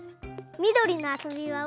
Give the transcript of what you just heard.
みどりのあそびばを。